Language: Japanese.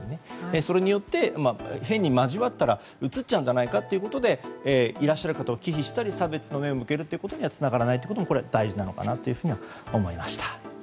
それによって、変に交わったらうつっちゃうんじゃないかといらっしゃる方を忌避したり差別の目を向けることにはつながらないということも大事なのかなと思いました。